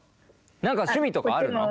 何か趣味とかあるの？